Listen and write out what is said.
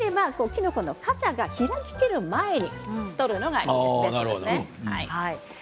キノコの傘が開く前に取るのがいいですね。